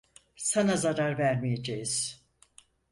Sana zarar vermeyeceğiz.